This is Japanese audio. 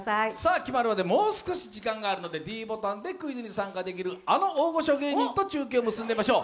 決まるまで、もう少し時間があるのでｄボタンでクイズに参加できるあの大御所芸人と中継を結んでみましょう。